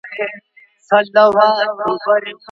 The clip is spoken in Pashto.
هيڅکله د مقابل لوري سپکاوی مه کوئ.